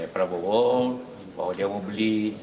prabowo bahwa dia mau beli